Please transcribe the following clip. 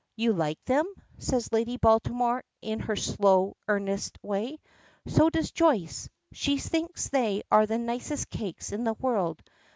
"You like them?" says Lady Baltimore in her slow, earnest way. "So does Joyce. She thinks they are the nicest cakes in the world.